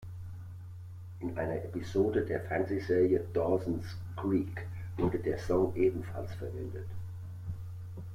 In einer Episode der Fernsehserie "Dawson’s Creek" wurde der Song ebenfalls verwendet.